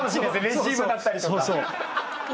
レシーブだったりとか。